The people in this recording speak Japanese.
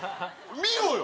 見ろよ！